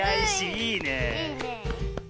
いいねえ。